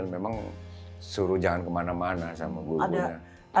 memang suruh jangan kemana mana sama gurunya